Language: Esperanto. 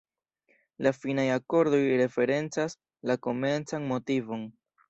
La finaj akordoj referencas la komencan motivon.